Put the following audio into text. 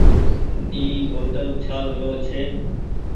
اي بوتل ڇآل رو ڇي۔